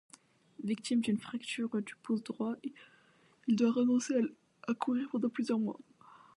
Victime d'une fracture du pouce droit il doit renoncer à courir pendant plusieurs mois.